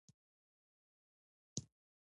د بدن فشار اغېز د ستنې په څېر دی.